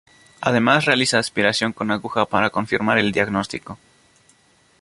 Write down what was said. Además realiza aspiración con aguja para confirmar el diagnóstico.